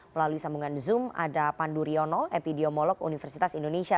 melalui sambungan zoom ada pandu riono epidemiolog universitas indonesia